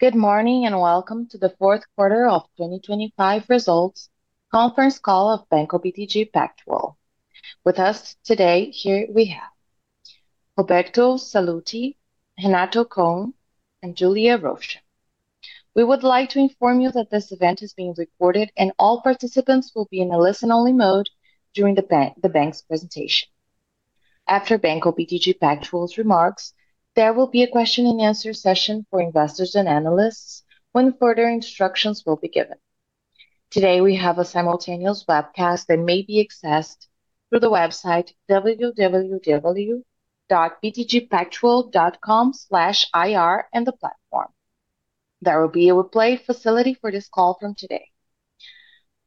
Good morning and welcome to the fourth quarter of 2025 results conference call of Banco BTG Pactual. With us today here we have: Roberto Sallouti, Renato Cohn, and Juliana Rechtsman. We would like to inform you that this event is being recorded and all participants will be in a listen-only mode during the bank's presentation. After Banco BTG Pactual's remarks, there will be a question-and-answer session for investors and analysts when further instructions will be given. Today we have a simultaneous webcast that may be accessed through the website www.btgpactual.com/ir and the platform. There will be a replay facility for this call from today.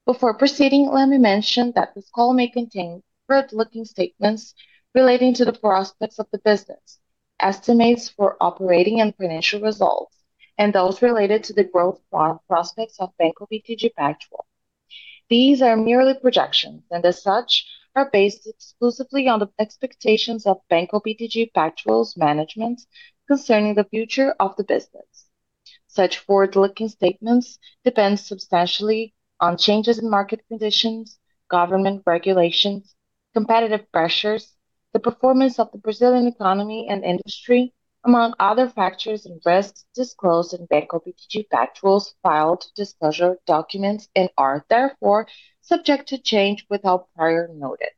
Before proceeding, let me mention that this call may contain forward-looking statements relating to the prospects of the business, estimates for operating and financial results, and those related to the growth prospects of Banco BTG Pactual. These are merely projections and, as such, are based exclusively on the expectations of Banco BTG Pactual's management concerning the future of the business. Such forward-looking statements depend substantially on changes in market conditions, government regulations, competitive pressures, the performance of the Brazilian economy and industry, among other factors and risks disclosed in Banco BTG Pactual's filed disclosure documents and are, therefore, subject to change without prior notice.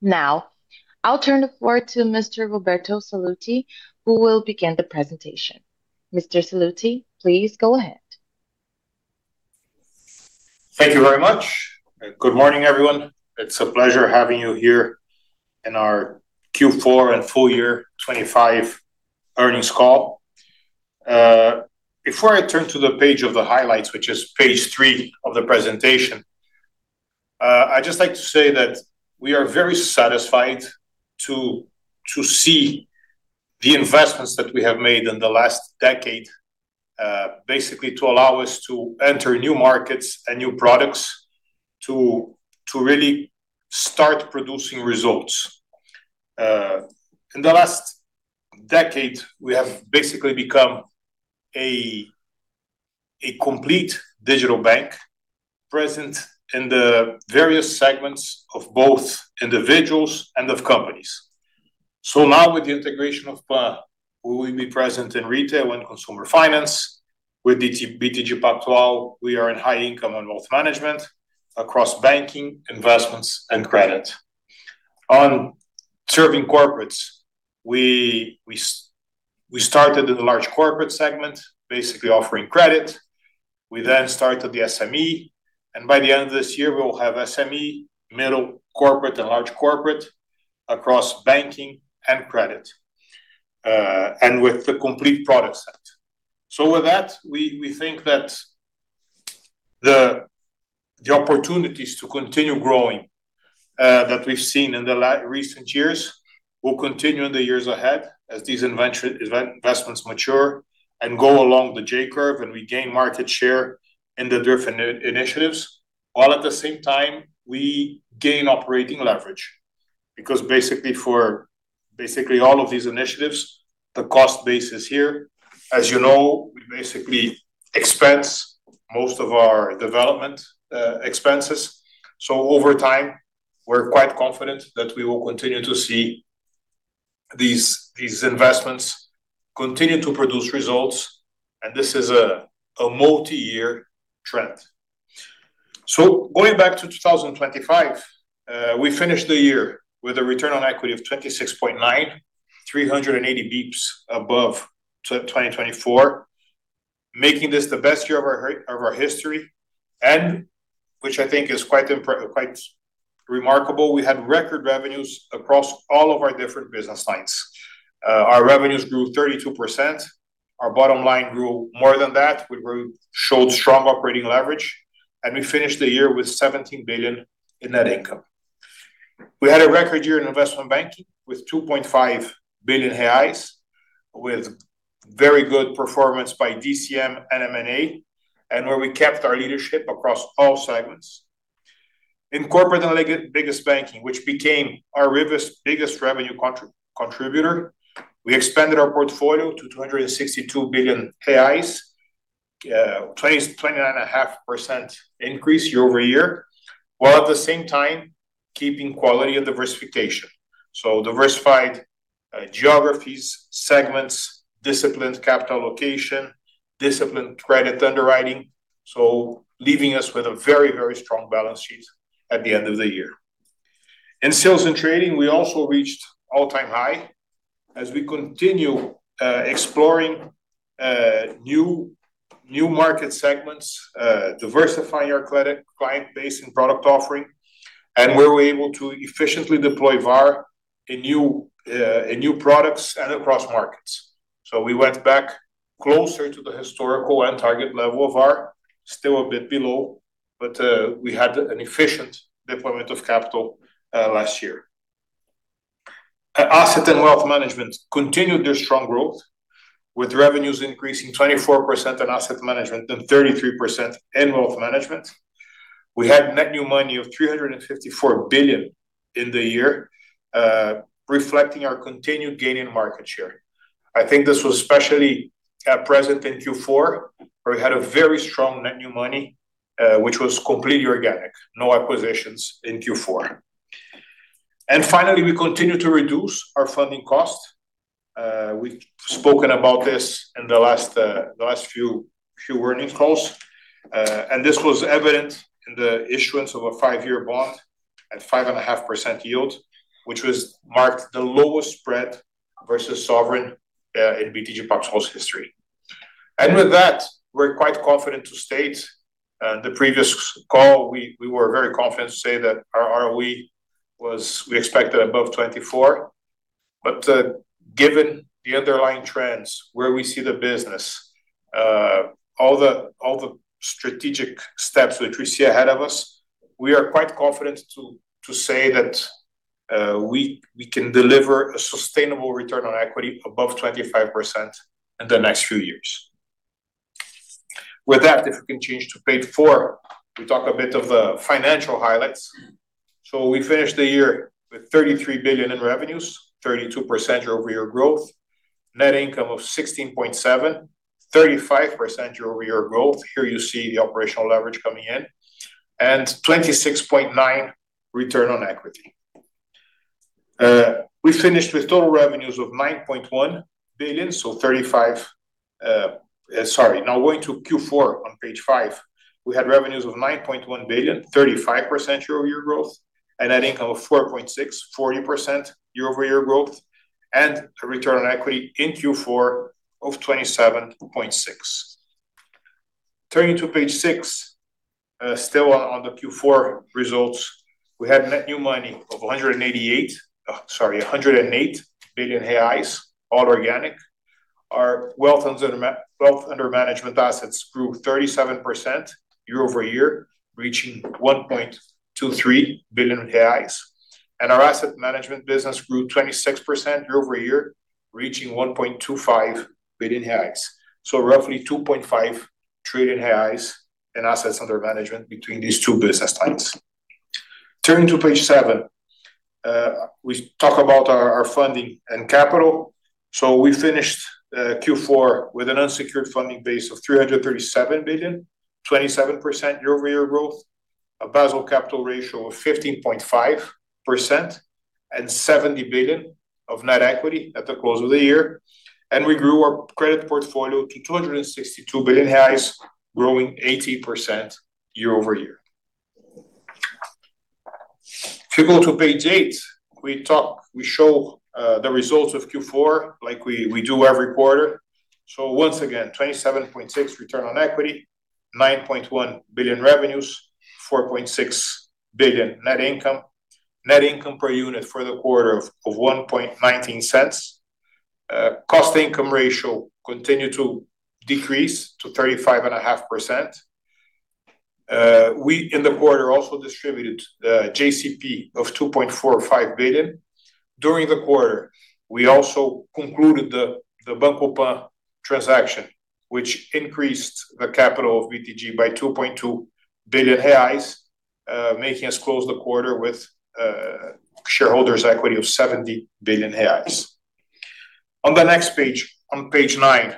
Now, I'll turn the floor to Mr. Roberto Sallouti, who will begin the presentation. Mr. Sallouti, please go ahead. Thank you very much. Good morning, everyone. It's a pleasure having you here in our Q4 and full year 2025 earnings call. Before I turn to the page of the highlights, which is page 3 of the presentation, I'd just like to say that we are very satisfied to see the investments that we have made in the last decade, basically to allow us to enter new markets and new products, to really start producing results. In the last decade, we have basically become a complete digital bank present in the various segments of both individuals and of companies. So now, with the integration of PAN, we will be present in retail and consumer finance. With BTG Pactual, we are in high-income and wealth management across banking, investments, and credit. On serving corporates, we started in the large corporate segment, basically offering credit. We then started the SME, and by the end of this year, we will have SME, middle, corporate, and large corporate across banking and credit, and with the complete product set. So with that, we think that the opportunities to continue growing that we've seen in the recent years will continue in the years ahead as these investments mature and go along the J curve and we gain market share in the DRIFT initiatives, while at the same time we gain operating leverage. Because basically for basically all of these initiatives, the cost base is here. As you know, we basically expense most of our development expenses. So over time, we're quite confident that we will continue to see these investments continue to produce results, and this is a multi-year trend. So going back to 2025, we finished the year with a return on equity of 26.9%, 380 basis points above 2024, making this the best year of our history, which I think is quite remarkable. We had record revenues across all of our different business lines. Our revenues grew 32%. Our bottom line grew more than that. We showed strong operating leverage, and we finished the year with 17 billion in net income. We had a record year in investment banking with 2.5 billion reais, with very good performance by DCM and M&A, and where we kept our leadership across all segments. In corporate lending business, which became our second biggest revenue contributor, we expanded our portfolio to 262 billion reais, 29.5% increase year-over-year, while at the same time keeping quality and diversification. So diversified geographies, segments, disciplines, capital location, disciplined credit underwriting, so leaving us with a very, very strong balance sheet at the end of the year. In Sales and Trading, we also reached all-time high as we continue exploring new market segments, diversifying our client base and product offering, and where we're able to efficiently deploy VAR in new products and across markets. So we went back closer to the historical and target level of VAR, still a bit below, but we had an efficient deployment of capital last year. Asset and wealth management continued their strong growth, with revenues increasing 24% in asset management and 33% in wealth management. We had net new money of 354 billion in the year, reflecting our continued gain in market share. I think this was especially present in Q4, where we had a very strong net new money, which was completely organic, no acquisitions in Q4. Finally, we continue to reduce our funding cost. We've spoken about this in the last few earnings calls, and this was evident in the issuance of a 5-year bond at 5.5% yield, which was marked the lowest spread versus sovereign in BTG Pactual's history. With that, we're quite confident to state the previous call, we were very confident to say that our ROE was we expected above 24%. But given the underlying trends, where we see the business, all the strategic steps which we see ahead of us, we are quite confident to say that we can deliver a sustainable return on equity above 25% in the next few years. With that, if we can change to page four, we talk a bit of the financial highlights. So we finished the year with 33 billion in revenues, 32% year-over-year growth, net income of 16.7 billion, 35% year-over-year growth. Here you see the operational leverage coming in, and 26.9% return on equity. We finished with total revenues of 9.1 billion, so 35%, sorry, now going to Q4 on page five, we had revenues of 9.1 billion, 35% year-over-year growth, and net income of 4.6 billion, 40% year-over-year growth, and a return on equity in Q4 of 27.6%. Turning to page six, still on the Q4 results, we had net new money of 188, sorry, 108 billion reais, all organic. Our wealth under management assets grew 37% year-over-year, reaching 1.23 billion reais. Our asset management business grew 26% year-over-year, reaching 1.25 billion reais. So roughly 2.5 trillion reais in assets under management between these two business lines. Turning to page 7, we talk about our funding and capital. We finished Q4 with an unsecured funding base of 337 billion, 27% year-over-year growth, a Basel capital ratio of 15.5%, and 70 billion of net equity at the close of the year. We grew our credit portfolio to 262 billion, growing 80% year-over-year. If you go to page 8, we show the results of Q4 like we do every quarter. Once again, 27.6 return on equity, 9.1 billion revenues, 4.6 billion net income, net income per unit for the quarter of 1.19. Cost-to-income ratio continued to decrease to 35.5%. We, in the quarter, also distributed JCP of 2.45 billion. During the quarter, we also concluded the Banco PAN transaction, which increased the capital of BTG by 2.2 billion reais, making us close the quarter with shareholders' equity of 70 billion reais. On the next page, on page 9,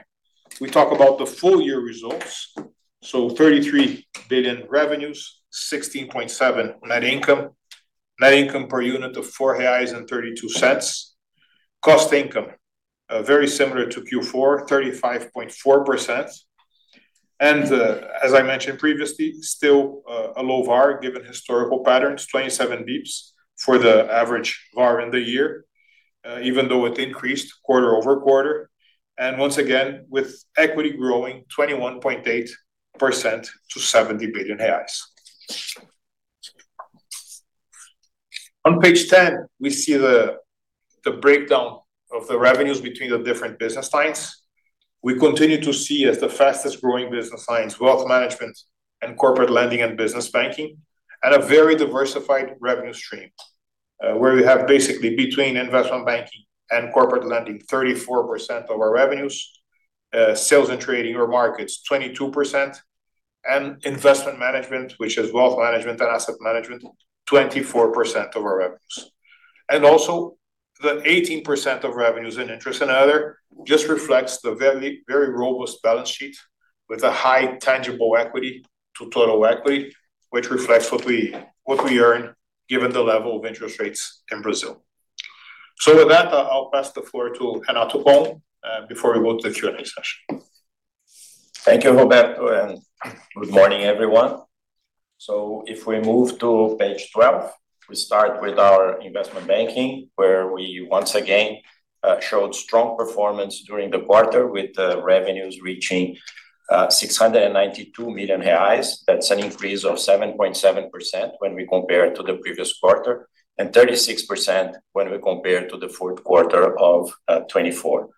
we talk about the full-year results. 33 billion revenues, 16.7 billion net income, net income per unit of 4.32 reais. Cost income, very similar to Q4, 35.4%. And as I mentioned previously, still a low VAR given historical patterns, 27 basis points for the average VAR in the year, even though it increased quarter-over-quarter. And once again, with equity growing 21.8% to BRL 70 billion. On page 10, we see the breakdown of the revenues between the different business lines. We continue to see as the fastest growing business lines, wealth management and corporate lending and business banking, and a very diversified revenue stream where we have basically between investment banking and corporate lending, 34% of our revenues, sales and trading or markets, 22%, and investment management, which is wealth management and asset management, 24% of our revenues. And also the 18% of revenues in interest and other just reflects the very robust balance sheet with a high tangible equity to total equity, which reflects what we earn given the level of interest rates in Brazil. So with that, I'll pass the floor to Renato Cohn before we go to the Q&A session. Thank you, Roberto, and good morning, everyone. So if we move to page 12, we start with our investment banking, where we once again showed strong performance during the quarter with the revenues reaching 692 million reais. That's an increase of 7.7% when we compare to the previous quarter and 36% when we compare to the fourth quarter of 2024.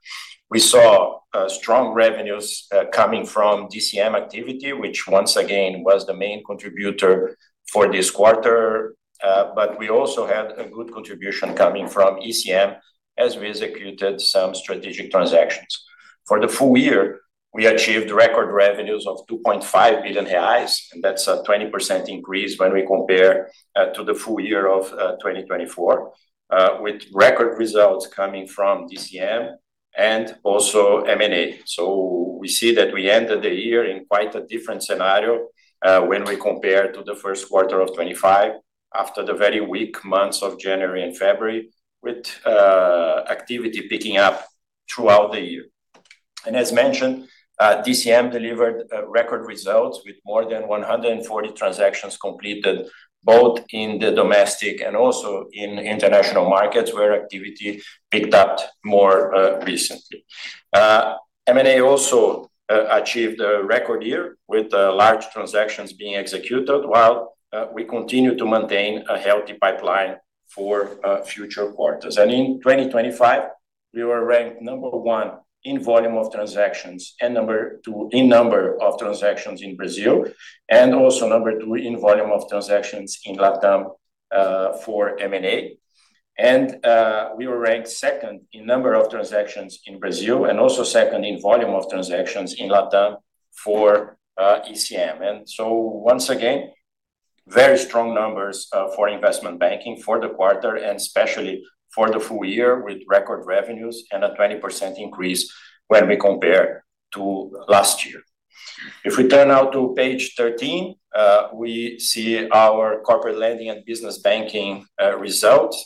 We saw strong revenues coming from DCM activity, which once again was the main contributor for this quarter. But we also had a good contribution coming from ECM as we executed some strategic transactions. For the full year, we achieved record revenues of 2.5 billion reais, and that's a 20% increase when we compare to the full year of 2024, with record results coming from DCM and also M&A. We see that we ended the year in quite a different scenario when we compare to the first quarter of 2025 after the very weak months of January and February, with activity picking up throughout the year. As mentioned, DCM delivered record results with more than 140 transactions completed both in the domestic and also in international markets where activity picked up more recently. M&A also achieved a record year with large transactions being executed, while we continue to maintain a healthy pipeline for future quarters. In 2025, we were ranked number 1 in volume of transactions and number 2 in number of transactions in Brazil, and also number 2 in volume of transactions in LATAM for M&A. We were ranked 2nd in number of transactions in Brazil and also 2nd in volume of transactions in LATAM for ECM. Once again, very strong numbers for investment banking for the quarter and especially for the full year with record revenues and a 20% increase when we compare to last year. If we turn now to page 13, we see our corporate lending and business banking results.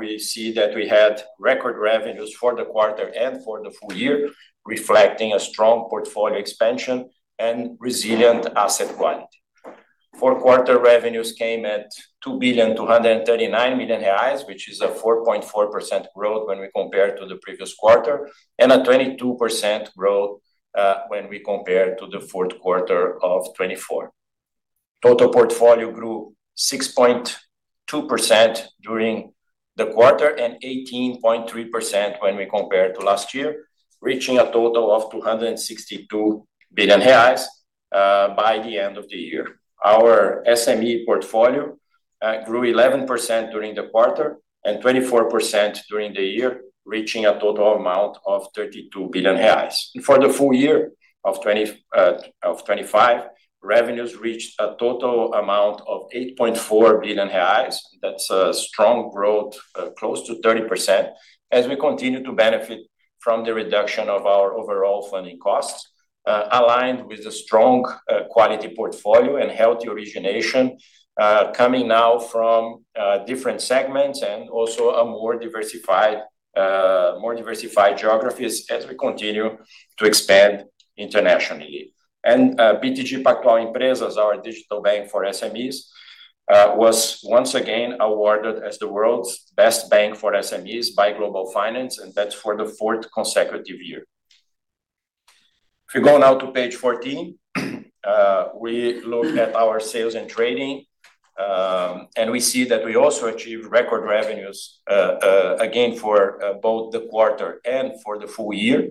We see that we had record revenues for the quarter and for the full year, reflecting a strong portfolio expansion and resilient asset quality. Fourth quarter revenues came at 2.239 billion, which is a 4.4% growth when we compare to the previous quarter and a 22% growth when we compare to the fourth quarter of 2024. Total portfolio grew 6.2% during the quarter and 18.3% when we compare to last year, reaching a total of 262 billion reais by the end of the year. Our SME portfolio grew 11% during the quarter and 24% during the year, reaching a total amount of 32 billion reais. For the full year of 2025, revenues reached a total amount of 8.4 billion reais. That's a strong growth, close to 30%, as we continue to benefit from the reduction of our overall funding costs, aligned with a strong quality portfolio and healthy origination coming now from different segments and also more diversified geographies as we continue to expand internationally. BTG Pactual Empresas, our digital bank for SMEs, was once again awarded as the world's best bank for SMEs by Global Finance, and that's for the fourth consecutive year. If we go now to page 14, we look at our sales and trading, and we see that we also achieved record revenues again for both the quarter and for the full year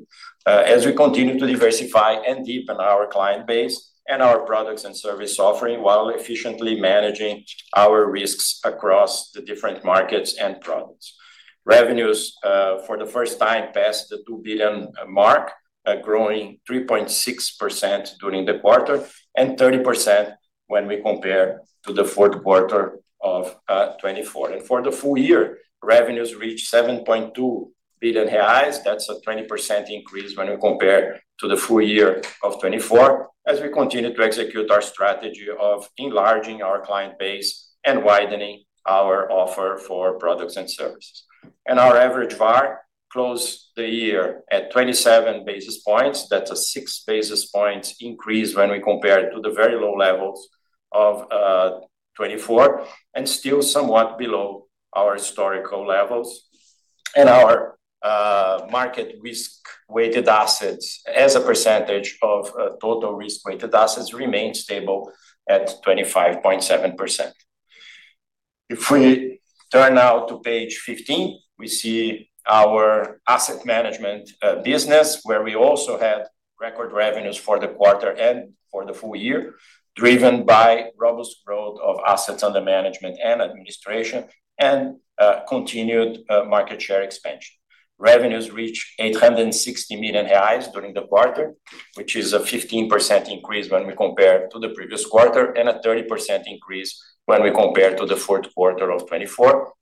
as we continue to diversify and deepen our client base and our products and service offering while efficiently managing our risks across the different markets and products. Revenues for the first time passed the 2 billion mark, growing 3.6% during the quarter and 30% when we compare to the fourth quarter of 2024. For the full year, revenues reached 7.2 billion reais. That's a 20% increase when we compare to the full year of 2024 as we continue to execute our strategy of enlarging our client base and widening our offer for products and services. Our average VAR closed the year at 27 basis points. That's a six basis points increase when we compare to the very low levels of 2024 and still somewhat below our historical levels. Our market risk-weighted assets, as a percentage of total risk-weighted assets, remained stable at 25.7%. If we turn now to page 15, we see our asset management business, where we also had record revenues for the quarter and for the full year, driven by robust growth of assets under management and administration and continued market share expansion. Revenues reached 860 million reais during the quarter, which is a 15% increase when we compare to the previous quarter and a 30% increase when we compare to the fourth quarter of 2024,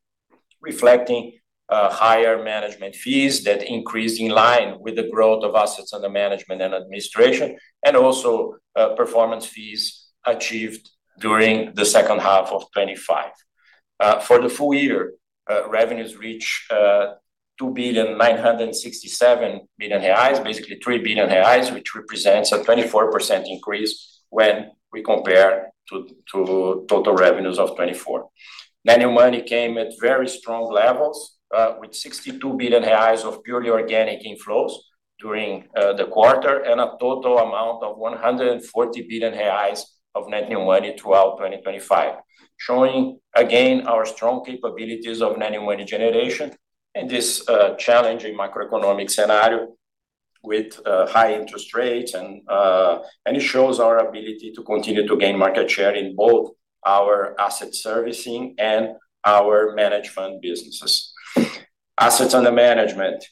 reflecting higher management fees that increased in line with the growth of assets under management and administration and also performance fees achieved during the second half of 2025. For the full year, revenues reached 2.967 billion reais, basically 3 billion reais, which represents a 24% increase when we compare to total revenues of 2024. Net new money came at very strong levels with 62 billion reais of purely organic inflows during the quarter and a total amount of 140 billion reais of net new money throughout 2025, showing again our strong capabilities of net new money generation in this challenging macroeconomic scenario with high interest rates. And it shows our ability to continue to gain market share in both our asset servicing and our management businesses. Assets under management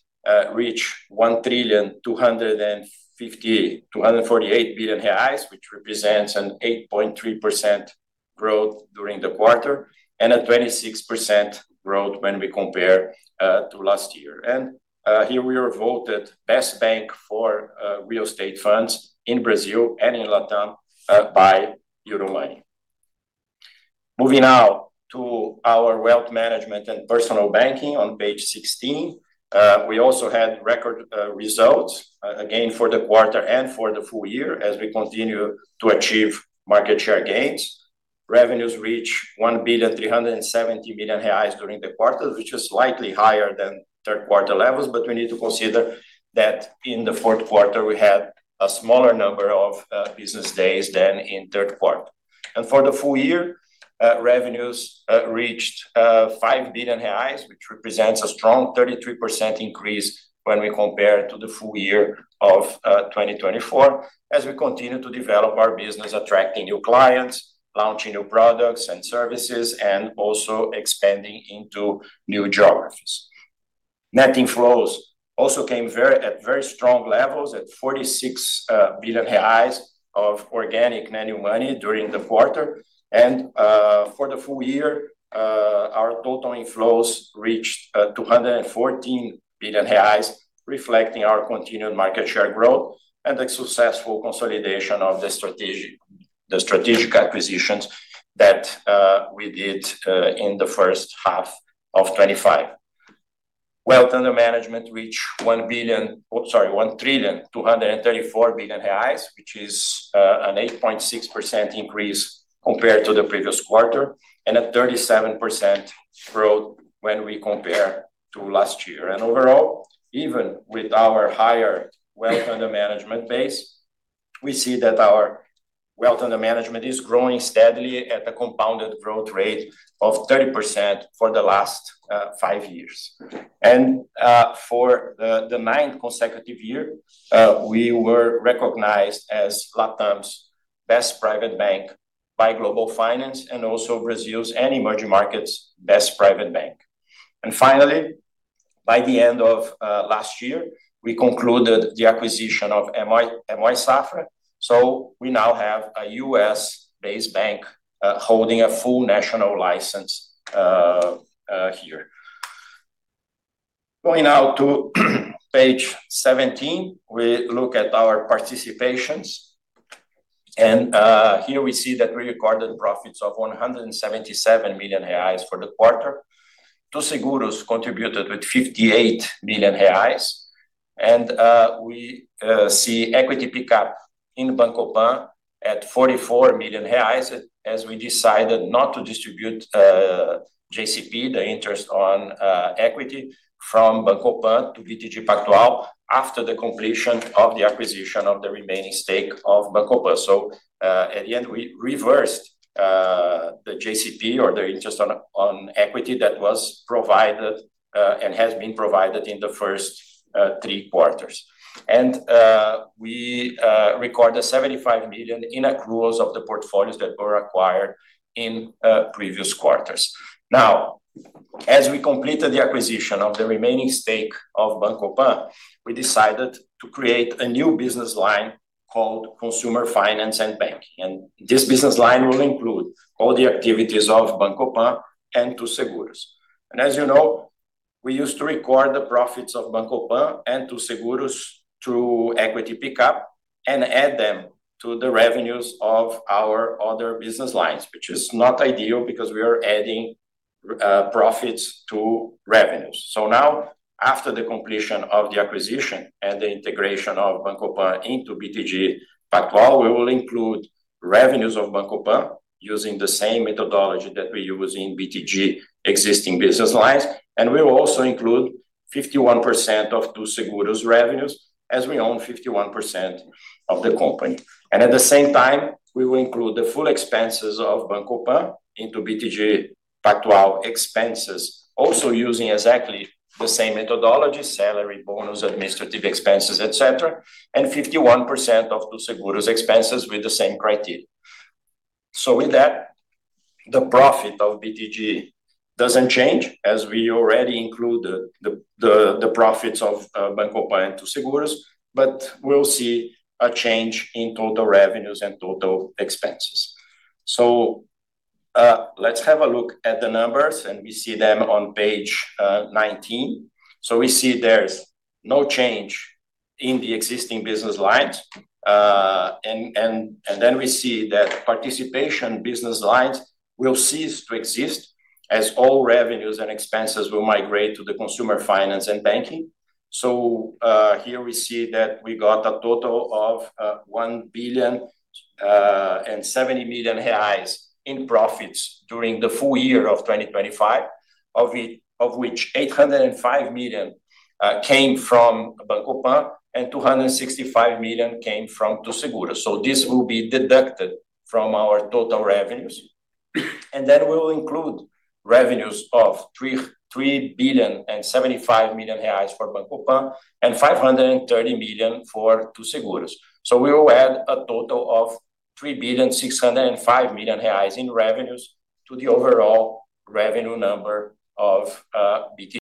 reached 1.258 trillion reais, which represents an 8.3% growth during the quarter and a 26% growth when we compare to last year. And here we are voted best bank for real estate funds in Brazil and in LATAM by Euromoney. Moving now to our wealth management and personal banking on page 16, we also had record results, again, for the quarter and for the full year as we continue to achieve market share gains. Revenues reached 1.37 billion during the quarter, which is slightly higher than third quarter levels. But we need to consider that in the fourth quarter, we had a smaller number of business days than in third quarter. And for the full year, revenues reached 5 billion reais, which represents a strong 33% increase when we compare to the full year of 2024 as we continue to develop our business, attracting new clients, launching new products and services, and also expanding into new geographies. Net inflows also came at very strong levels at 46 billion reais of organic net new money during the quarter. For the full year, our total inflows reached 214 billion reais, reflecting our continued market share growth and the successful consolidation of the strategic acquisitions that we did in the first half of 2025. Wealth under management reached 1 billion, sorry, 1,234 billion reais, which is an 8.6% increase compared to the previous quarter and a 37% growth when we compare to last year. Overall, even with our higher wealth under management base, we see that our wealth under management is growing steadily at a compounded growth rate of 30% for the last five years. For the ninth consecutive year, we were recognized as LATAM's best private bank by Global Finance and also Brazil's and emerging markets' best private bank. Finally, by the end of last year, we concluded the acquisition of M.Y. Safra. So we now have a U.S.-based bank holding a full national license here. Going now to page 17, we look at our participations. And here we see that we recorded profits of 177 million reais for the quarter. Too Seguros contributed with 58 million reais. And we see equity pickup in Banco PAN at 44 million reais as we decided not to distribute JCP, the interest on equity, from Banco PAN to BTG Pactual after the completion of the acquisition of the remaining stake of Banco PAN. So at the end, we reversed the JCP or the interest on equity that was provided and has been provided in the first three quarters. And we recorded 75 million in accruals of the portfolios that were acquired in previous quarters. Now, as we completed the acquisition of the remaining stake of Banco PAN, we decided to create a new business line called Consumer Finance and Banking. This business line will include all the activities of Banco PAN and Too Seguros. As you know, we used to record the profits of Banco PAN and Too Seguros through equity pickup and add them to the revenues of our other business lines, which is not ideal because we are adding profits to revenues. So now, after the completion of the acquisition and the integration of Banco PAN into BTG Pactual, we will include revenues of Banco PAN using the same methodology that we use in BTG existing business lines. We will also include 51% of Too Seguros revenues as we own 51% of the company. At the same time, we will include the full expenses of Banco PAN into BTG Pactual expenses, also using exactly the same methodology: salary, bonus, administrative expenses, etc., and 51% of Too Seguros expenses with the same criteria. With that, the profit of BTG doesn't change as we already included the profits of Banco PAN and Too Seguros, but we'll see a change in total revenues and total expenses. Let's have a look at the numbers, and we see them on page 19. We see there's no change in the existing business lines. Then we see that participation business lines will cease to exist as all revenues and expenses will migrate to the consumer finance and banking. So here we see that we got a total of 1.07 billion in profits during the full year of 2025, of which 805 million came from Banco PAN and 265 million came from Too Seguros. So this will be deducted from our total revenues. And then we will include revenues of 3.075 billion for Banco PAN and 530 million for Too Seguros. So we will add a total of 3.605 billion in revenues to the overall revenue number of BTG.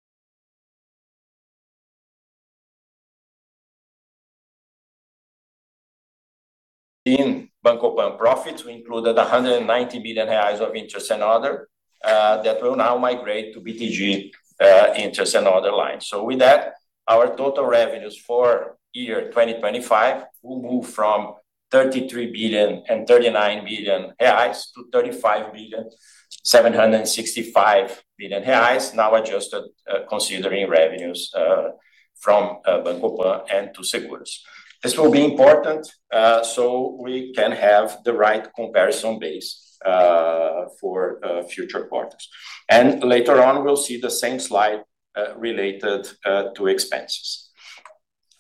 In Banco PAN profits, we included 190 million reais of interest and other that will now migrate to BTG interest and other lines. So with that, our total revenues for year 2025 will move from 33.039 billion to 35.765 billion, now adjusted considering revenues from Banco PAN and Too Seguros. This will be important so we can have the right comparison base for future quarters. And later on, we'll see the same slide related to expenses.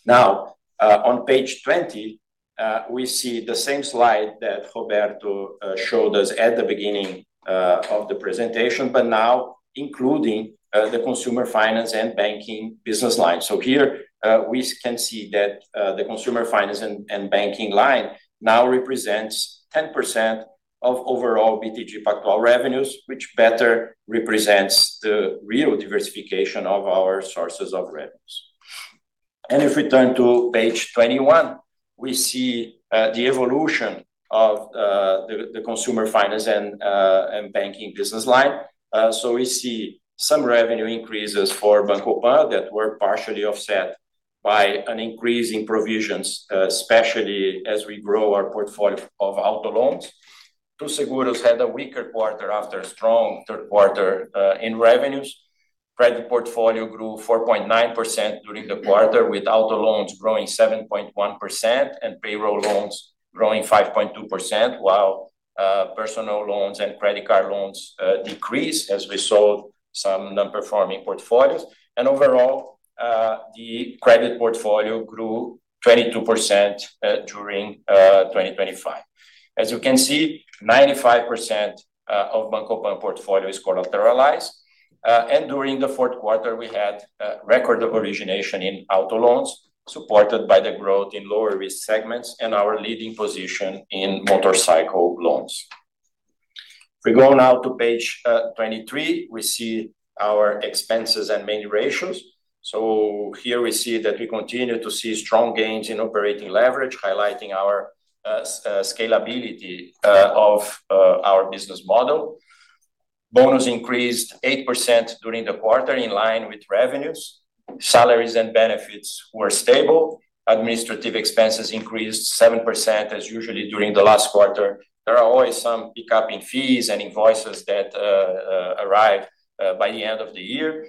Now, on page 20, we see the same slide that Roberto showed us at the beginning of the presentation, but now including the consumer finance and banking business line. So here we can see that the consumer finance and banking line now represents 10% of overall BTG Pactual revenues, which better represents the real diversification of our sources of revenues. And if we turn to page 21, we see the evolution of the consumer finance and banking business line. So we see some revenue increases for Banco PAN that were partially offset by an increase in provisions, especially as we grow our portfolio of auto loans. Too Seguros had a weaker quarter after a strong third quarter in revenues. Credit portfolio grew 4.9% during the quarter, with auto loans growing 7.1% and payroll loans growing 5.2%, while personal loans and credit card loans decreased as we sold some non-performing portfolios. Overall, the credit portfolio grew 22% during 2025. As you can see, 95% of Banco PAN portfolio is collateralized. During the fourth quarter, we had record origination in auto loans supported by the growth in lower-risk segments and our leading position in motorcycle loans. If we go now to page 23, we see our expenses and main ratios. Here we see that we continue to see strong gains in operating leverage, highlighting our scalability of our business model. Bonus increased 8% during the quarter in line with revenues. Salaries and benefits were stable. Administrative expenses increased 7% as usually during the last quarter. There are always some pickup in fees and invoices that arrive by the end of the year.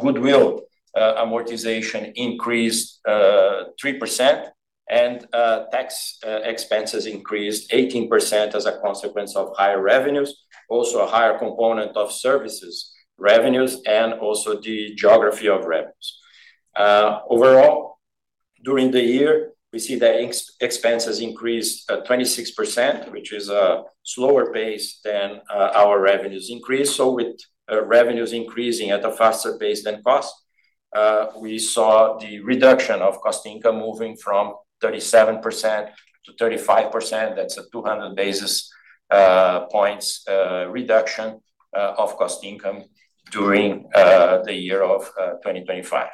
Goodwill amortization increased 3%, and tax expenses increased 18% as a consequence of higher revenues, also a higher component of services revenues, and also the geography of revenues. Overall, during the year, we see that expenses increased 26%, which is a slower pace than our revenues increase. So with revenues increasing at a faster pace than cost, we saw the reduction of cost income moving from 37% to 35%. That's a 200 basis points reduction of cost income during the year of 2025.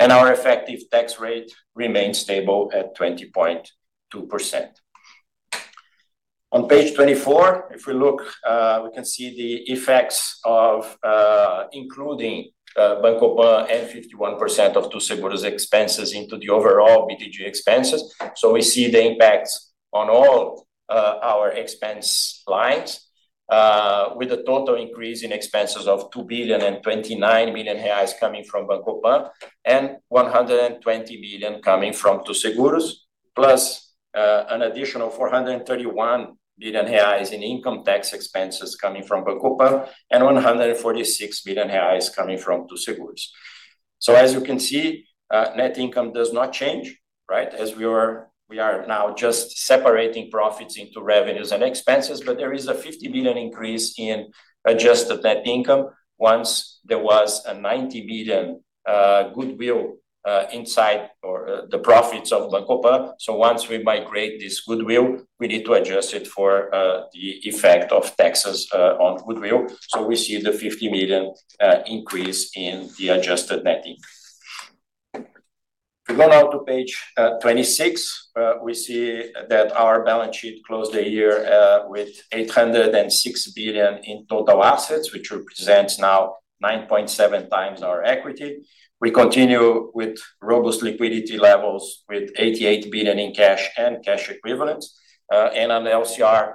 And our effective tax rate remained stable at 20.2%. On page 24, if we look, we can see the effects of including Banco PAN and 51% of Too Seguros expenses into the overall BTG expenses. So we see the impacts on all our expense lines with a total increase in expenses of 2.029 billion coming from Banco PAN and 120 million coming from Too Seguros, plus an additional 431 million reais in income tax expenses coming from Banco PAN and 146 million reais coming from Too Seguros. So as you can see, net income does not change, right, as we are now just separating profits into revenues and expenses. But there is a 50 million increase in adjusted net income once there was a 90 million goodwill inside or the profits of Banco PAN. So once we migrate this goodwill, we need to adjust it for the effect of taxes on goodwill. So we see the 50 million increase in the adjusted net income. If we go now to page 26, we see that our balance sheet closed the year with 806 billion in total assets, which represents now 9.7x our equity. We continue with robust liquidity levels with 88 billion in cash and cash equivalents and an LCR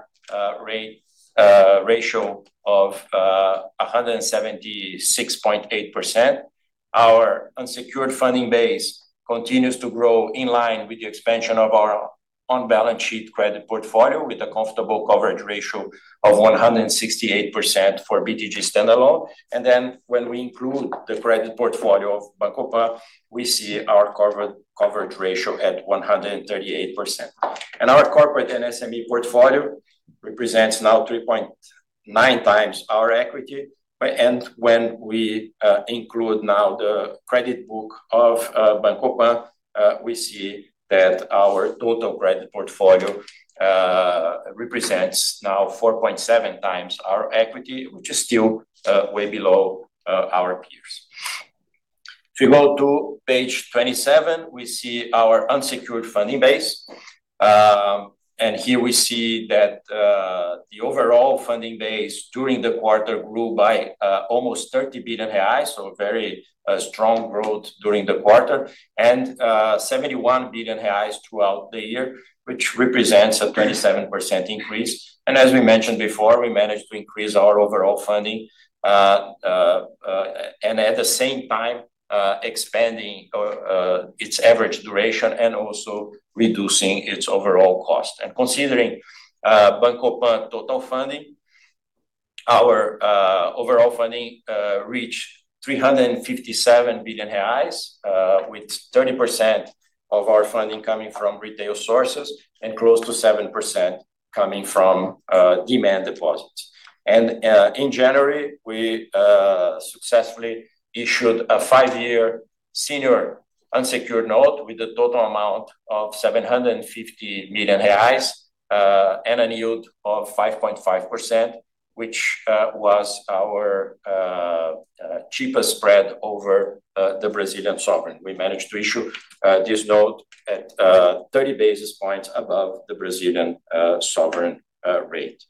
ratio of 176.8%. Our unsecured funding base continues to grow in line with the expansion of our on-balance sheet credit portfolio with a comfortable coverage ratio of 168% for BTG standalone. And then when we include the credit portfolio of Banco PAN, we see our coverage ratio at 138%. And our corporate and SME portfolio represents now 3.9x our equity. And when we include now the credit book of Banco PAN, we see that our total credit portfolio represents now 4.7x our equity, which is still way below our peers. If we go to page 27, we see our unsecured funding base. Here we see that the overall funding base during the quarter grew by almost 30 billion reais, so very strong growth during the quarter, and 71 billion reais throughout the year, which represents a 27% increase. As we mentioned before, we managed to increase our overall funding and at the same time expanding its average duration and also reducing its overall cost. Considering Banco PAN total funding, our overall funding reached 357 billion reais, with 30% of our funding coming from retail sources and close to 7% coming from demand deposits. In January, we successfully issued a five-year senior unsecured note with a total amount of 750 million reais and a yield of 5.5%, which was our cheapest spread over the Brazilian sovereign. We managed to issue this note at 30 basis points above the Brazilian sovereign rate.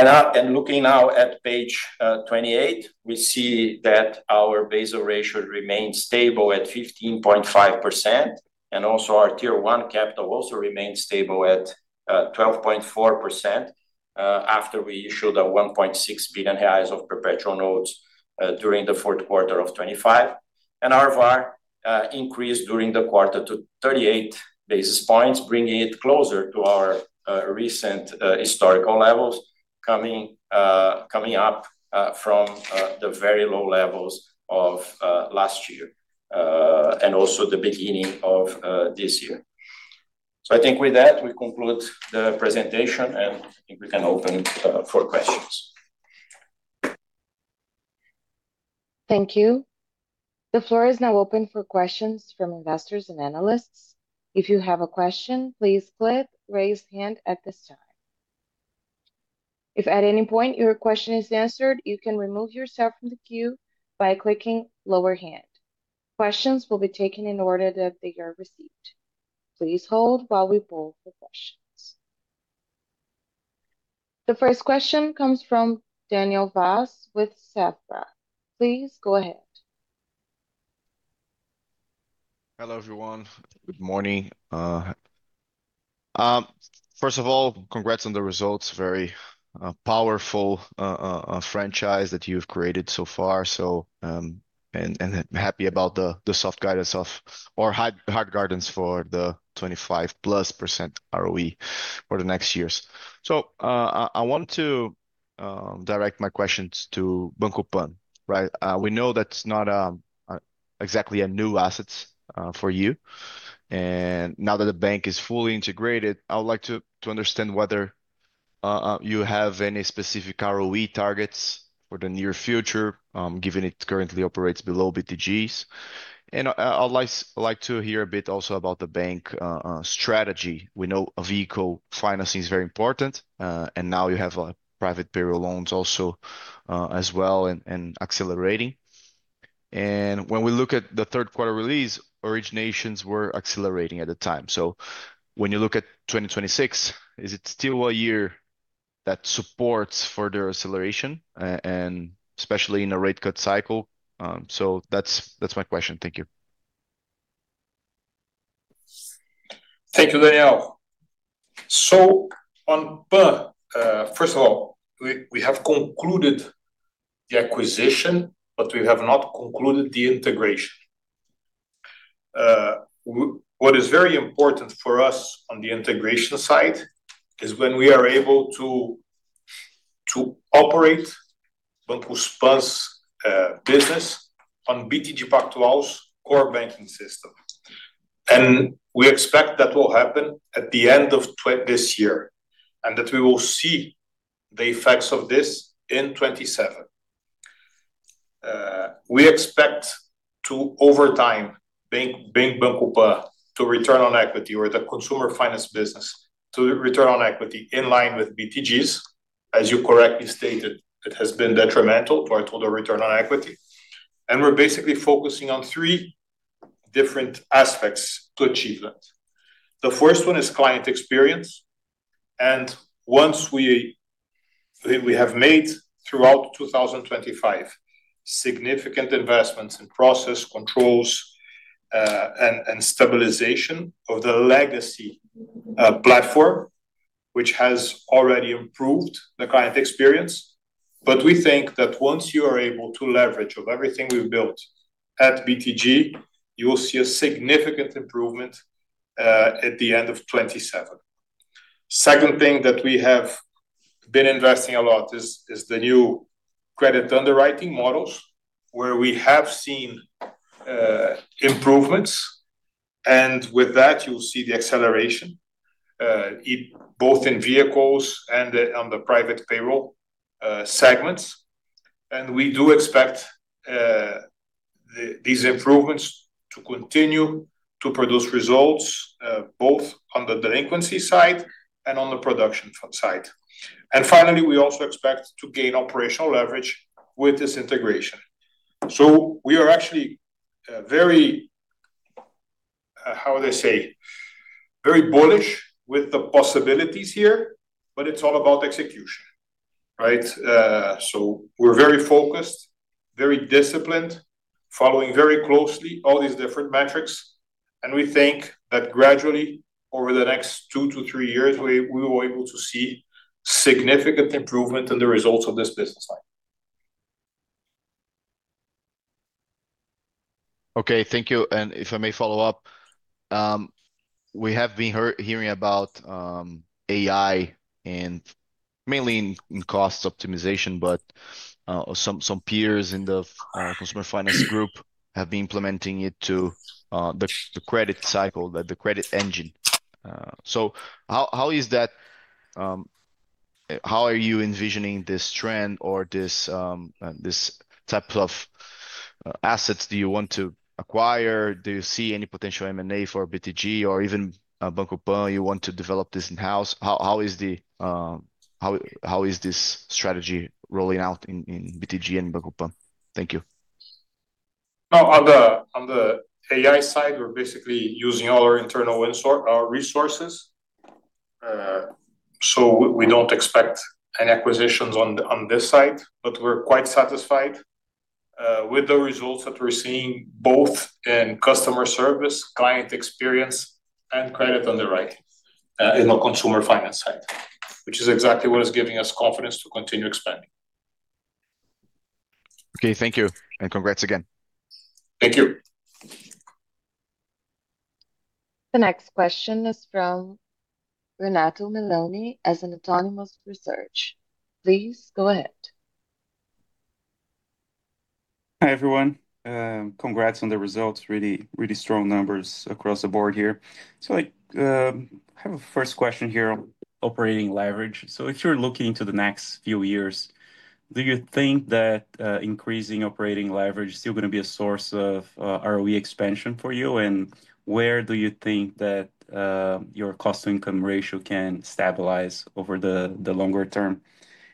Looking now at page 28, we see that our Basel ratio remains stable at 15.5%. And also our tier one capital also remains stable at 12.4% after we issued 1.6 billion of perpetual notes during the fourth quarter of 2025. And our VAR increased during the quarter to 38 basis points, bringing it closer to our recent historical levels, coming up from the very low levels of last year and also the beginning of this year. So I think with that, we conclude the presentation, and I think we can open for questions. Thank you. The floor is now open for questions from investors and analysts. If you have a question, please click raise hand at this time. If at any point your question is answered, you can remove yourself from the queue by clicking lower hand. Questions will be taken in order that they are received. Please hold while we pull the questions. The first question comes from Daniel Vaz with Safra. Please go ahead. Hello, everyone. Good morning. First of all, congrats on the results. Very powerful franchise that you've created so far. And happy about the soft guidance of or hard guidance for the 25%+ ROE for the next years. So I want to direct my questions to Banco PAN, right? We know that's not exactly a new asset for you. And now that the bank is fully integrated, I would like to understand whether you have any specific ROE targets for the near future, given it currently operates below BTG's. And I'd like to hear a bit also about the bank strategy. We know vehicle financing is very important. And now you have private payroll loans also as well and accelerating. And when we look at the third quarter release, originations were accelerating at the time. When you look at 2026, is it still a year that supports further acceleration, especially in a rate cut cycle? That's my question. Thank you. Thank you, Daniel. So on PAN, first of all, we have concluded the acquisition, but we have not concluded the integration. What is very important for us on the integration side is when we are able to operate Banco PAN's business on BTG Pactual's core banking system. And we expect that will happen at the end of this year and that we will see the effects of this in 2027. We expect over time Banco PAN to return on equity or the consumer finance business to return on equity in line with BTG's. As you correctly stated, it has been detrimental to our total return on equity. And we're basically focusing on three different aspects to achieve that. The first one is client experience. And once we have made throughout 2025 significant investments in process controls and stabilization of the legacy platform, which has already improved the client experience, but we think that once you are able to leverage of everything we've built at BTG, you will see a significant improvement at the end of 2027. Second thing that we have been investing a lot is the new credit underwriting models where we have seen improvements. And with that, you'll see the acceleration, both in vehicles and on the private payroll segments. And we do expect these improvements to continue to produce results both on the delinquency side and on the production side. And finally, we also expect to gain operational leverage with this integration. So we are actually very how would I say? Very bullish with the possibilities here, but it's all about execution, right? We're very focused, very disciplined, following very closely all these different metrics. We think that gradually, over the next 2-3 years, we will be able to see significant improvement in the results of this business line. Okay, thank you. And if I may follow up, we have been hearing about AI and mainly in cost optimization, but some peers in the consumer finance group have been implementing it to the credit cycle, the credit engine. So how is that? How are you envisioning this trend or this type of assets? Do you want to acquire? Do you see any potential M&A for BTG or even Banco PAN? You want to develop this in-house? How is this strategy rolling out in BTG and Banco PAN? Thank you. On the AI side, we're basically using all our internal resources. So we don't expect any acquisitions on this side, but we're quite satisfied with the results that we're seeing both in customer service, client experience, and credit underwriting in the consumer finance side, which is exactly what is giving us confidence to continue expanding. Okay, thank you. And congrats again. Thank you. The next question is from Renato Meloni of Autonomous Research. Please go ahead. Hi, everyone. Congrats on the results. Really strong numbers across the board here. I have a first question here. Operating leverage. So if you're looking into the next few years, do you think that increasing operating leverage is still going to be a source of ROE expansion for you? And where do you think that your cost to income ratio can stabilize over the longer term?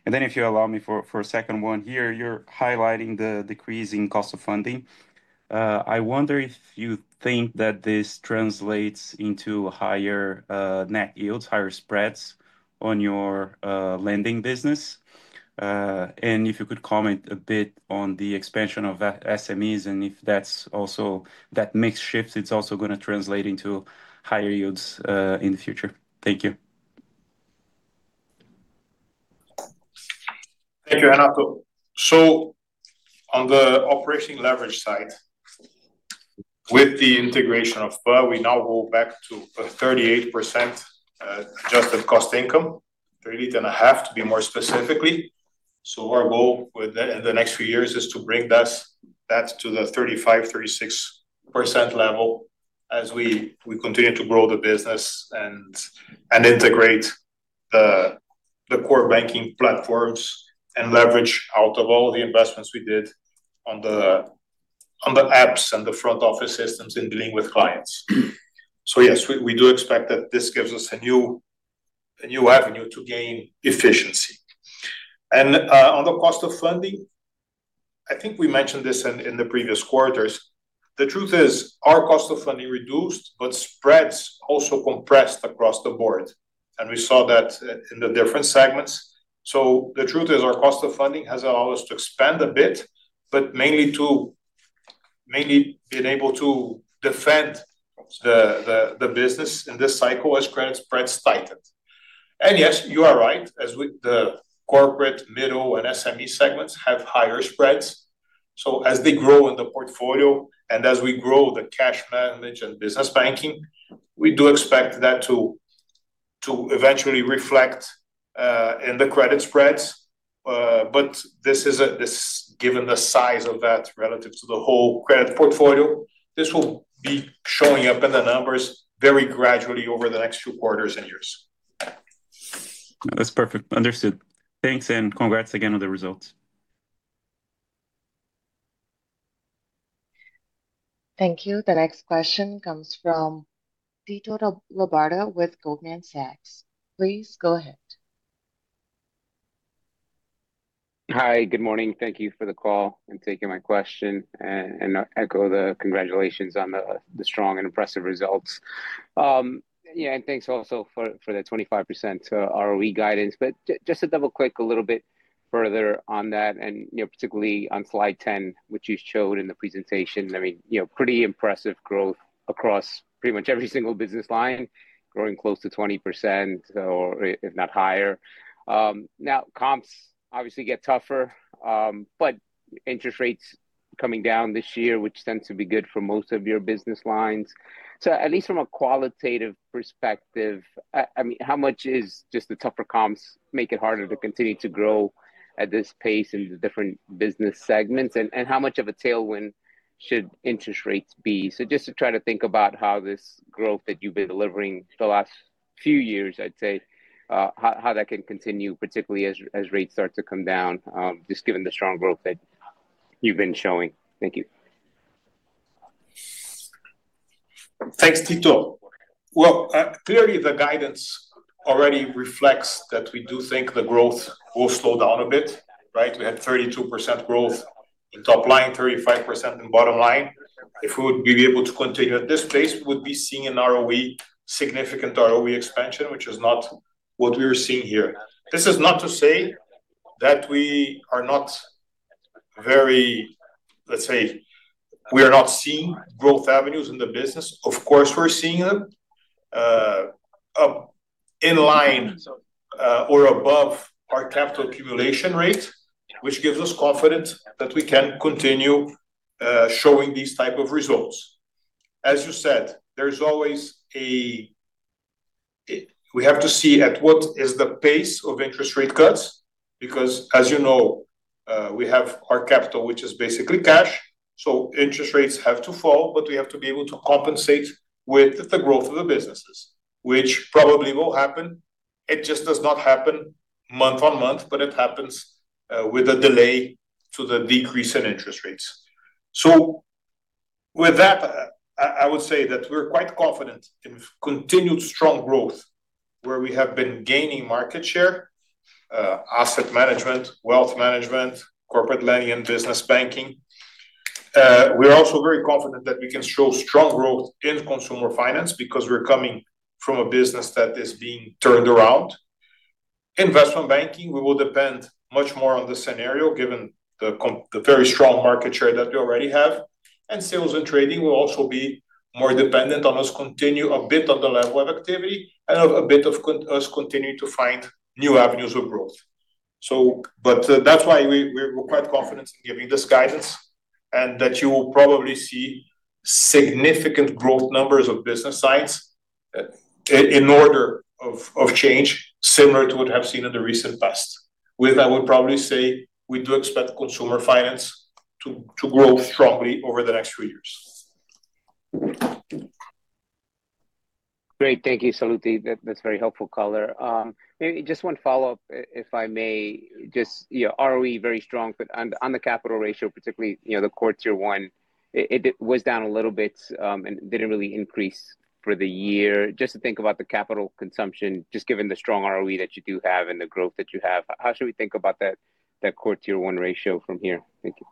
And then if you allow me for a second one here, you're highlighting the decrease in cost of funding. I wonder if you think that this translates into higher net yields, higher spreads on your lending business. And if you could comment a bit on the expansion of SMEs and if that mix shifts, it's also going to translate into higher yields in the future. Thank you. Thank you, Renato. So on the operating leverage side, with the integration of PA, we now go back to 38% adjusted cost income, 38.5% to be more specific. So our goal in the next few years is to bring that to the 35%-36% level as we continue to grow the business and integrate the core banking platforms and leverage out of all the investments we did on the apps and the front office systems in dealing with clients. So yes, we do expect that this gives us a new avenue to gain efficiency. And on the cost of funding, I think we mentioned this in the previous quarters. The truth is our cost of funding reduced, but spreads also compressed across the board. And we saw that in the different segments. So the truth is our cost of funding has allowed us to expand a bit, but mainly being able to defend the business in this cycle as credit spreads tightened. Yes, you are right. The corporate, middle, and SME segments have higher spreads. As they grow in the portfolio and as we grow the cash management and business banking, we do expect that to eventually reflect in the credit spreads. But given the size of that relative to the whole credit portfolio, this will be showing up in the numbers very gradually over the next few quarters and years. That's perfect. Understood. Thanks and congrats again on the results. Thank you. The next question comes from Tito Labarta with Goldman Sachs. Please go ahead. Hi, good morning. Thank you for the call and taking my question and echo the congratulations on the strong and impressive results. Yeah, and thanks also for the 25% ROE guidance. But just to double-click a little bit further on that, and particularly on slide 10, which you showed in the presentation, I mean, pretty impressive growth across pretty much every single business line, growing close to 20% or if not higher. Now, comps obviously get tougher, but interest rates coming down this year, which tends to be good for most of your business lines. So at least from a qualitative perspective, I mean, how much is just the tougher comps make it harder to continue to grow at this pace in the different business segments? And how much of a tailwind should interest rates be? Just to try to think about how this growth that you've been delivering the last few years, I'd say, how that can continue, particularly as rates start to come down, just given the strong growth that you've been showing. Thank you. Thanks, Tito. Well, clearly, the guidance already reflects that we do think the growth will slow down a bit, right? We had 32% growth in top line, 35% in bottom line. If we would be able to continue at this pace, we would be seeing an ROE, significant ROE expansion, which is not what we were seeing here. This is not to say that we are not very let's say, we are not seeing growth avenues in the business. Of course, we're seeing them in line or above our capital accumulation rate, which gives us confidence that we can continue showing these type of results. As you said, there's always a we have to see at what is the pace of interest rate cuts because, as you know, we have our capital, which is basically cash. So interest rates have to fall, but we have to be able to compensate with the growth of the businesses, which probably will happen. It just does not happen month on month, but it happens with a delay to the decrease in interest rates. So with that, I would say that we're quite confident in continued strong growth where we have been gaining market share, asset management, wealth management, corporate lending, and business banking. We are also very confident that we can show strong growth in consumer finance because we're coming from a business that is being turned around. Investment banking, we will depend much more on the scenario given the very strong market share that we already have. And sales and trading will also be more dependent on us continuing a bit on the level of activity and a bit of us continuing to find new avenues of growth. That's why we're quite confident in giving this guidance and that you will probably see significant growth numbers of business lines in order of change, similar to what we have seen in the recent past. With that, I would probably say we do expect consumer finance to grow strongly over the next few years. Great. Thank you, Sallouti. That's very helpful, Cohn. Maybe just one follow-up, if I may. Just ROE, very strong, but on the capital ratio, particularly the Core Tier 1, it was down a little bit and didn't really increase for the year. Just to think about the capital consumption, just given the strong ROE that you do have and the growth that you have, how should we think about that Core Tier 1 ratio from here? Thank you.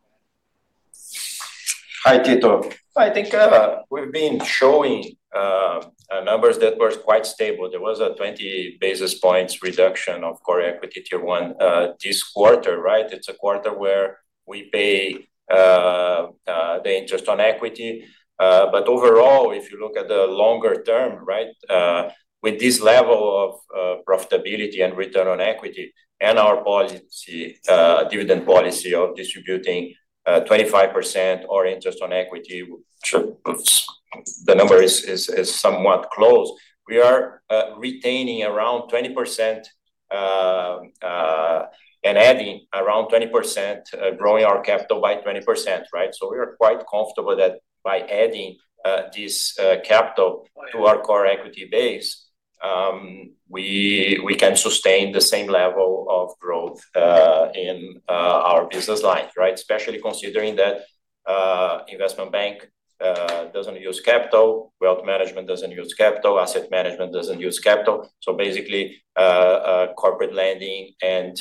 Hi, Tito. I think we've been showing numbers that were quite stable. There was a 20 basis points reduction of Core Equity Tier 1 this quarter, right? It's a quarter where we pay the interest on equity. But overall, if you look at the longer term, right, with this level of profitability and Return on Equity and our dividend policy of distributing 25% or interest on equity, the number is somewhat close. We are retaining around 20% and adding around 20%, growing our capital by 20%, right? So we are quite comfortable that by adding this capital to our Core Equity base, we can sustain the same level of growth in our business lines, right, especially considering that Investment Banking doesn't use capital, Wealth Management doesn't use capital, Asset Management doesn't use capital. So basically, corporate lending and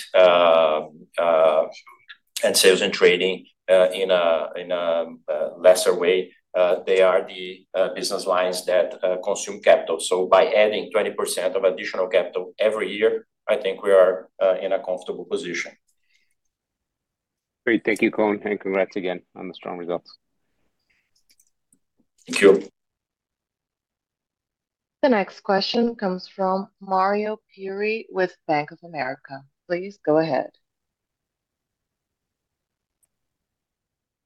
sales and trading in a lesser way, they are the business lines that consume capital. So by adding 20% of additional capital every year, I think we are in a comfortable position. Great. Thank you, Cohn. Congrats again on the strong results. Thank you. The next question comes from Mario Pierry with Bank of America. Please go ahead.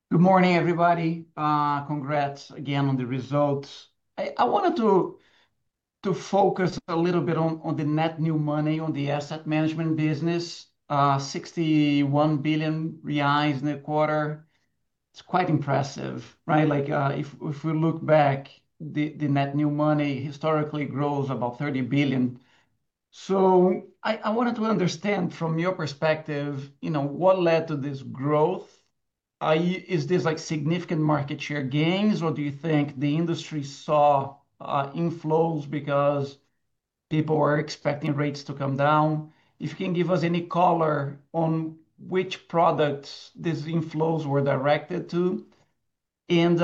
Good morning, everybody. Congrats again on the results. I wanted to focus a little bit on the net new money on the asset management business, 61 billion reais in the quarter. It's quite impressive, right? If we look back, the net new money historically grows about 30 billion. So I wanted to understand from your perspective, what led to this growth? Is this significant market share gains, or do you think the industry saw inflows because people were expecting rates to come down? If you can give us any color on which products these inflows were directed to, and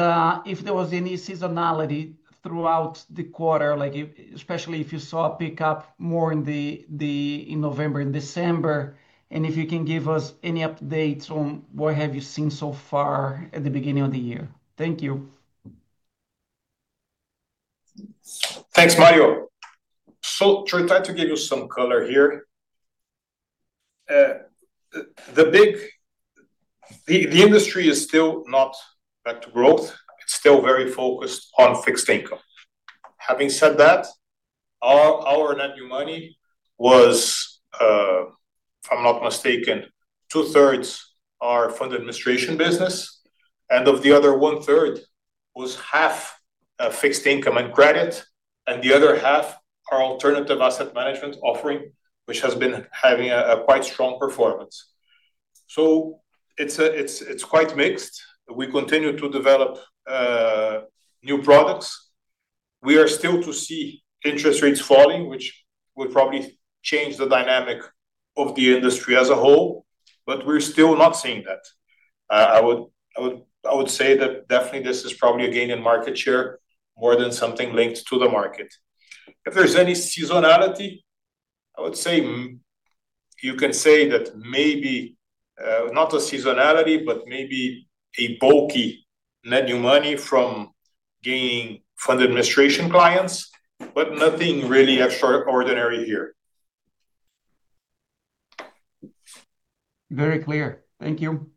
if there was any seasonality throughout the quarter, especially if you saw a pickup more in November and December, and if you can give us any updates on what have you seen so far at the beginning of the year. Thank you. Thanks, Mario. So try to give you some color here. The industry is still not back to growth. It's still very focused on fixed income. Having said that, our net new money was, if I'm not mistaken, 2/3 are fund administration business, and of the other 1/3, was half fixed income and credit, and the other half are alternative asset management offering, which has been having a quite strong performance. So it's quite mixed. We continue to develop new products. We are still to see interest rates falling, which would probably change the dynamic of the industry as a whole, but we're still not seeing that. I would say that definitely this is probably a gain in market share more than something linked to the market. If there's any seasonality, I would say you can say that maybe not a seasonality, but maybe a bulky net new money from gaining fund administration clients, but nothing really extraordinary here. Very clear. Thank you.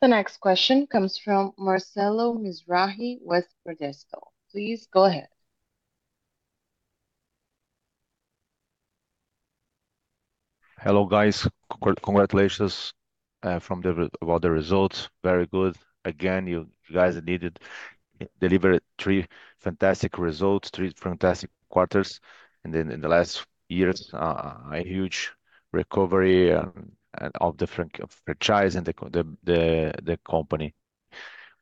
The next question comes from Marcelo Mizrahi with Bradesco. Please go ahead. Hello, guys. Congratulations about the results. Very good. Again, you guys needed to deliver three fantastic results, three fantastic quarters, and then in the last years, a huge recovery of the franchise and the company.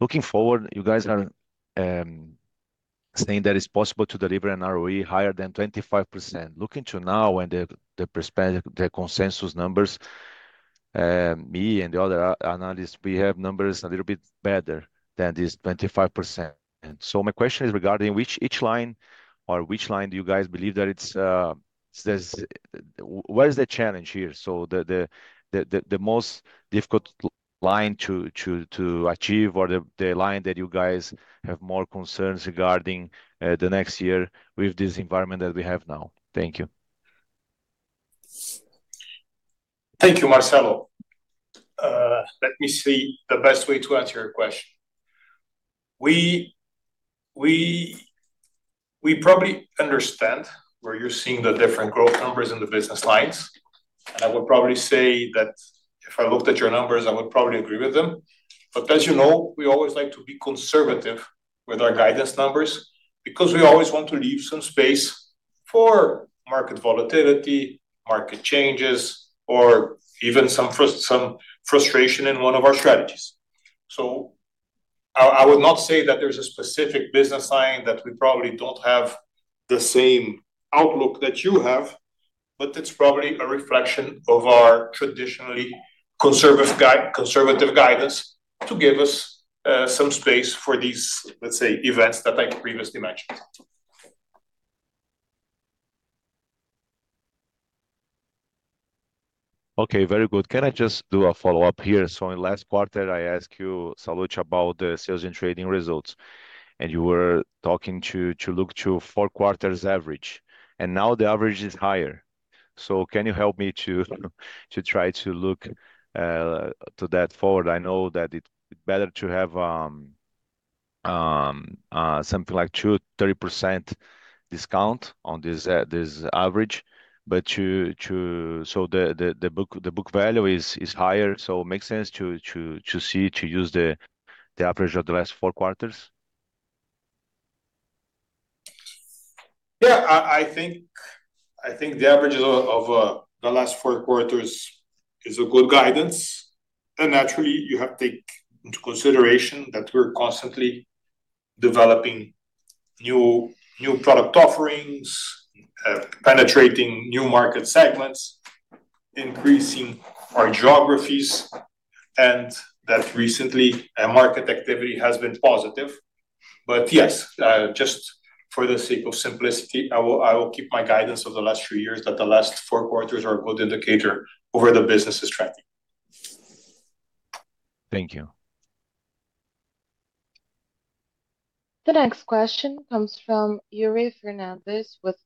Looking forward, you guys are saying that it's possible to deliver an ROE higher than 25%. Looking to now and the consensus numbers, me and the other analysts, we have numbers a little bit better than this 25%. So my question is regarding each line or which line do you guys believe that it's where is the challenge here? So the most difficult line to achieve or the line that you guys have more concerns regarding the next year with this environment that we have now. Thank you. Thank you, Marcelo. Let me see the best way to answer your question. We probably understand where you're seeing the different growth numbers in the business lines. And I would probably say that if I looked at your numbers, I would probably agree with them. But as you know, we always like to be conservative with our guidance numbers because we always want to leave some space for market volatility, market changes, or even some frustration in one of our strategies. So I would not say that there's a specific business line that we probably don't have the same outlook that you have, but it's probably a reflection of our traditionally conservative guidance to give us some space for these, let's say, events that I previously mentioned. Okay, very good. Can I just do a follow-up here? So in the last quarter, I asked you, Sallouti, about the Sales and Trading results, and you were talking to look to four-quarters average. And now the average is higher. So can you help me to try to look to that forward? I know that it's better to have something like 30% discount on this average. But so the book value is higher. So it makes sense to see, to use the average of the last four quarters. Yeah, I think the average of the last four quarters is a good guidance. Naturally, you have to take into consideration that we're constantly developing new product offerings, penetrating new market segments, increasing our geographies, and that recently, market activity has been positive. Yes, just for the sake of simplicity, I will keep my guidance of the last few years that the last four quarters are a good indicator over the business's tracking. Thank you. The next question comes from Yuri Fernandes with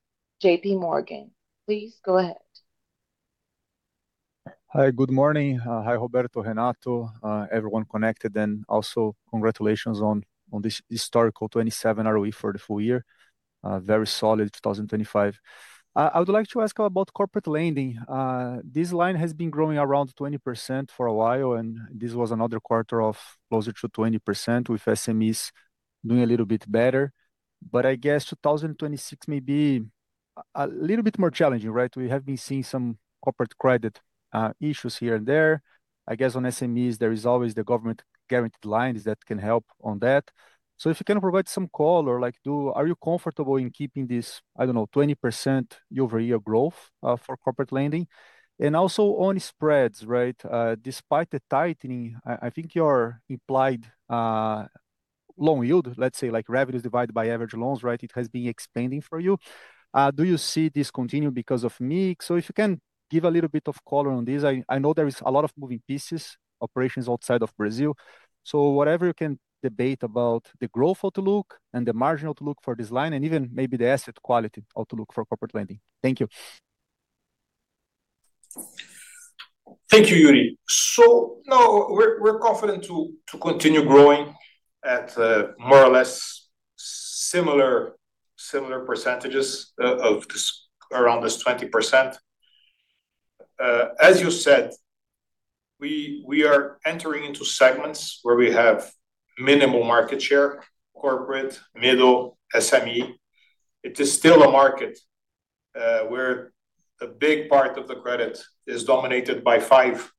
J.P. Morgan. Please go ahead. Hi, good morning. Hi, Roberto, Renato. Everyone connected then. Also, congratulations on this historic 27% ROE for the full year. Very solid 2025. I would like to ask about corporate lending. This line has been growing around 20% for a while, and this was another quarter of closer to 20% with SMEs doing a little bit better. But I guess 2026 may be a little bit more challenging, right? We have been seeing some corporate credit issues here and there. I guess on SMEs, there is always the government-guaranteed lines that can help on that. So if you can provide some color like, are you comfortable in keeping this, I don't know, 20% year-over-year growth for corporate lending? And also on spreads, right? Despite the tightening, I think your implied loan yield, let's say, like revenues divided by average loans, right? It has been expanding for you. Do you see this continue because of mix? So if you can give a little bit of color on this, I know there is a lot of moving pieces, operations outside of Brazil. So whatever you can debate about the growth outlook and the marginal outlook for this line, and even maybe the asset quality outlook for corporate lending. Thank you. Thank you, Yuri. So no, we're confident to continue growing at more or less similar percentages around this 20%. As you said, we are entering into segments where we have minimal market share, corporate, middle, SME. It is still a market where a big part of the credit is dominated by five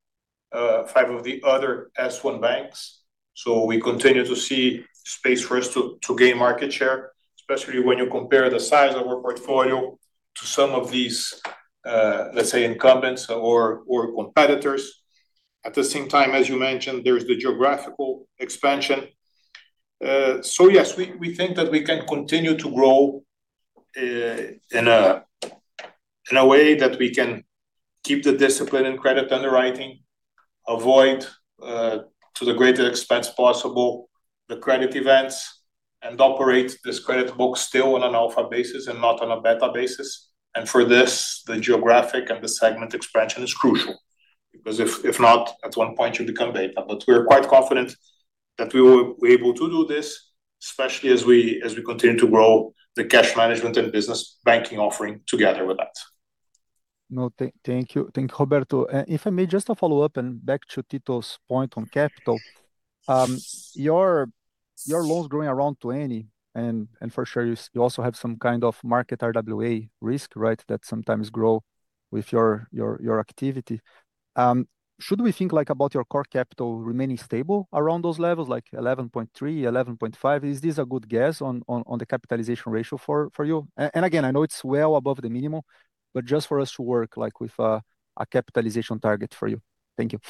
of the other S1 banks. So we continue to see space for us to gain market share, especially when you compare the size of our portfolio to some of these, let's say, incumbents or competitors. At the same time, as you mentioned, there's the geographical expansion. So yes, we think that we can continue to grow in a way that we can keep the discipline in credit underwriting, avoid to the greatest expense possible the credit events, and operate this credit book still on an alpha basis and not on a beta basis. For this, the geographic and the segment expansion is crucial because if not, at one point, you become beta. We're quite confident that we will be able to do this, especially as we continue to grow the cash management and business banking offering together with that. No, thank you. Thank you, Roberto. If I may, just a follow-up and back to Tito's point on capital, your loans growing around 20, and for sure, you also have some kind of market RWA risk, right, that sometimes grows with your activity. Should we think about your core capital remaining stable around those levels, like 11.3, 11.5? Is this a good guess on the capitalization ratio for you? And again, I know it's well above the minimum, but just for us to work with a capitalization target for you. Thank you.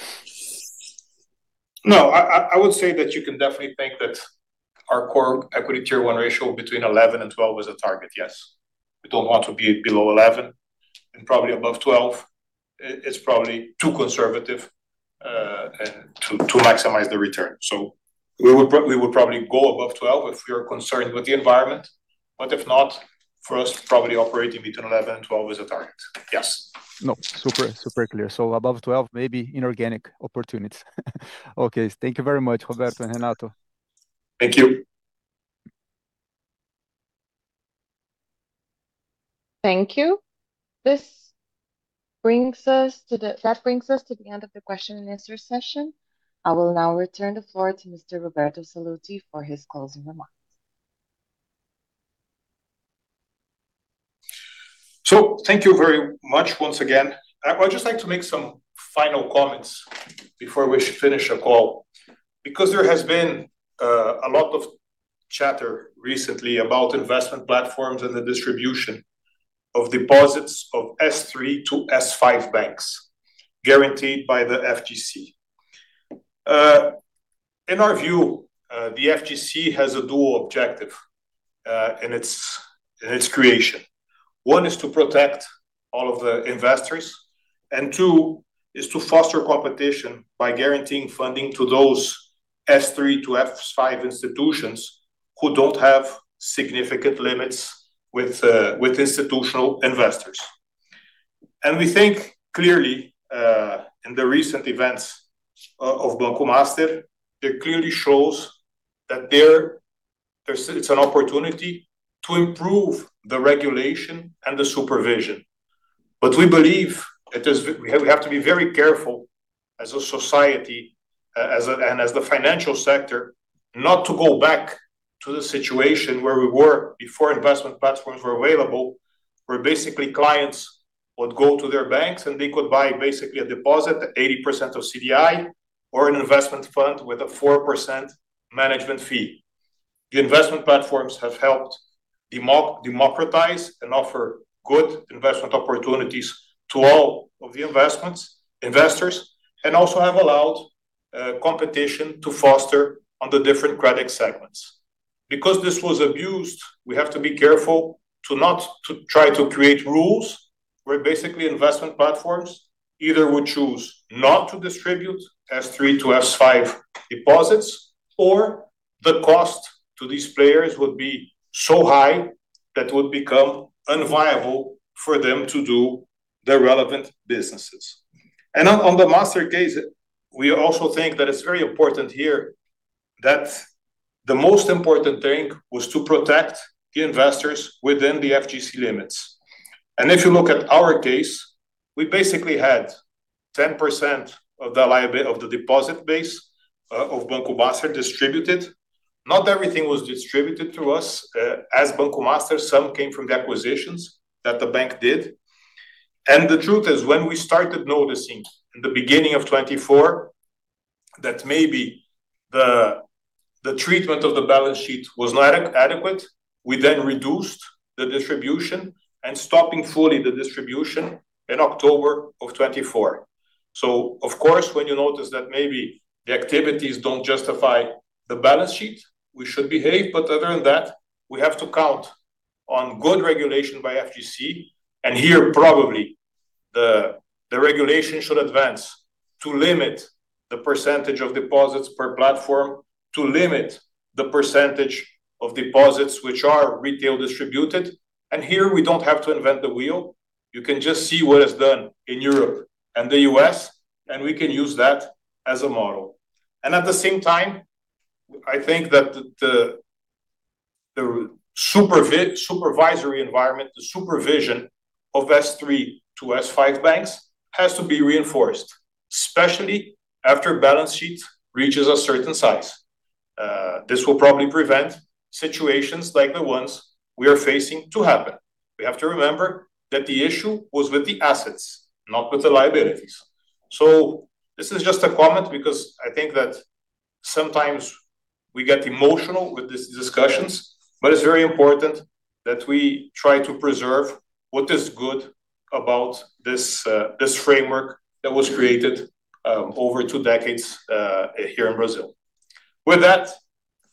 No, I would say that you can definitely think that our Core Equity Tier 1 ratio between 11 and 12 is a target, yes. We don't want to be below 11. And probably above 12, it's probably too conservative to maximize the return. So we would probably go above 12 if we are concerned with the environment. But if not, for us, probably operating between 11 and 12 is a target, yes. No, super clear. So above 12, maybe inorganic opportunities. Okay, thank you very much, Roberto and Renato. Thank you. Thank you. That brings us to the end of the question and answer session. I will now return the floor to Mr. Roberto Sallouti for his closing remarks. Thank you very much once again. I would just like to make some final comments before we finish the call because there has been a lot of chatter recently about investment platforms and the distribution of deposits of S3 to S5 banks guaranteed by the FGC. In our view, the FGC has a dual objective in its creation. One is to protect all of the investors, and two is to foster competition by guaranteeing funding to those S3 to S5 institutions who don't have significant limits with institutional investors. We think clearly in the recent events of Banco Master, it clearly shows that it's an opportunity to improve the regulation and the supervision. But we believe we have to be very careful as a society and as the financial sector not to go back to the situation where we were before investment platforms were available, where basically clients would go to their banks and they could buy basically a deposit at 80% of CDI or an investment fund with a 4% management fee. The investment platforms have helped democratize and offer good investment opportunities to all of the investors, and also have allowed competition to foster on the different credit segments. Because this was abused, we have to be careful to try to create rules where basically investment platforms either would choose not to distribute S3 to S5 deposits, or the cost to these players would be so high that it would become unviable for them to do their relevant businesses. On the Master case, we also think that it's very important here that the most important thing was to protect the investors within the FGC limits. If you look at our case, we basically had 10% of the deposit base of Banco Master distributed. Not everything was distributed to us as Banco Master. Some came from the acquisitions that the bank did. The truth is, when we started noticing in the beginning of 2024 that maybe the treatment of the balance sheet was not adequate, we then reduced the distribution and stopped fully the distribution in October of 2024. Of course, when you notice that maybe the activities don't justify the balance sheet, we should behave. Other than that, we have to count on good regulation by FGC. Here, probably the regulation should advance to limit the percentage of deposits per platform, to limit the percentage of deposits which are retail distributed. Here we don't have to invent the wheel. You can just see what is done in Europe and the US, and we can use that as a model. At the same time, I think that the supervisory environment, the supervision of S3 to S5 banks has to be reinforced, especially after balance sheets reach a certain size. This will probably prevent situations like the ones we are facing to happen. We have to remember that the issue was with the assets, not with the liabilities. This is just a comment because I think that sometimes we get emotional with these discussions, but it's very important that we try to preserve what is good about this framework that was created over two decades here in Brazil. With that,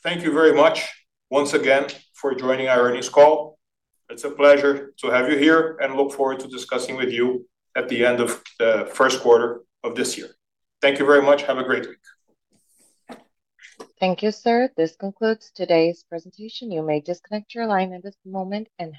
thank you very much once again for joining our earnings call. It's a pleasure to have you here and look forward to discussing with you at the end of the first quarter of this year. Thank you very much. Have a great week. Thank you, sir. This concludes today's presentation. You may disconnect your line at this moment and.